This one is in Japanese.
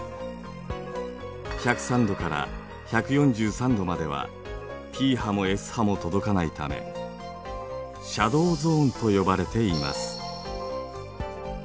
１０３°から１４３°まではＰ波もＳ波も届かないため「シャドーゾーン」と呼ばれています。